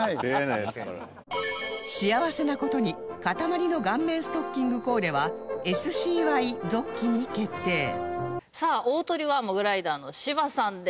幸せな事にかたまりの顔面ストッキングコーデは ＳＣＹ ・ゾッキに決定さあ大トリはモグライダーの芝さんです。